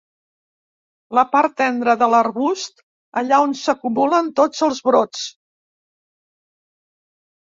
La part tendra de l'arbust, allà on s'acumulen tots els brots.